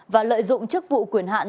và lợi dụng chức vụ quyền hạn